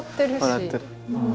笑ってる。